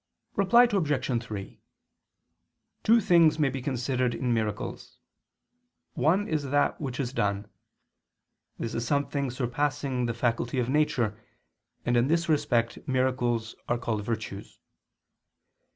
Reply Obj. 3: Two things may be considered in miracles. One is that which is done: this is something surpassing the faculty of nature, and in this respect miracles are called "virtues."